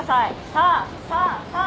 さあさあさあ！